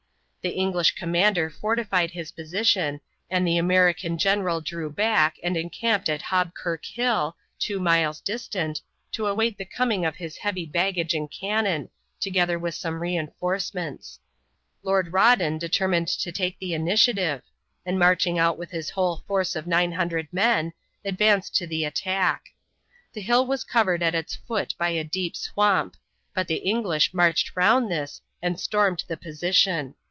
The English commander fortified his position and the American general drew back and encamped on Hobkirk Hill, two miles distant, to await the coming of his heavy baggage and cannon, together with some re enforcements. Lord Rawdon determined to take the initiative, and marching out with his whole force of 900 men, advanced to the attack. The hill was covered at its foot by a deep swamp, but the English marched round this and stormed the position.